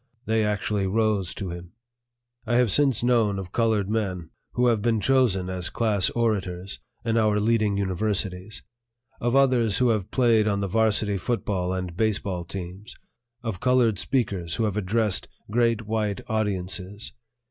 They actually rose to him. I have since known of colored men who have been chosen as class orators in our leading universities, of others who have played on the varsity football and baseball teams, of colored speakers who have addressed great white audiences.